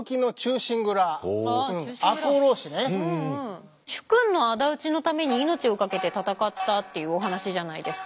これね主君の仇討ちのために命を懸けて戦ったっていうお話じゃないですか。